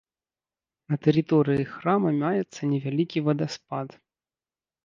На тэрыторыі храма маецца невялікі вадаспад.